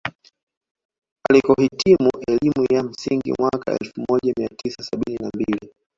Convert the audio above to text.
Alikohitimu elimu ya msingi mwaka elfu moja mia tisa sabini na mbili